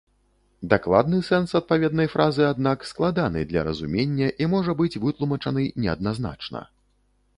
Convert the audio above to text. Дакладны сэнс адпаведнай фразы, аднак, складаны для разумення і можа быць вытлумачаны неадназначна.